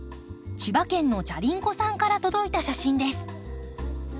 千葉県のじゃりんこさんから届いた写真です。